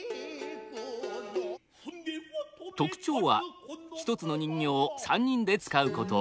特徴は一つの人形を三人で遣うこと。